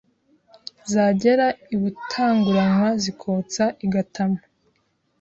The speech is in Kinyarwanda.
Zagera i Butanguranwa zikotsa i Gatamu